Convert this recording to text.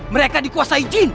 mereka dikuasai jin